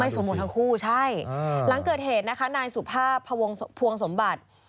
ไม่สมบวกทั้งคู่ใช่อ่าหลังเกิดเหตุนะคะนายสุภาพพวงสมบัติ